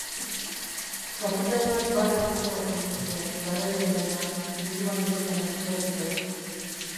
Kapitainak barre anker bat egin zuen, garailearena, burua niregana jiratuta.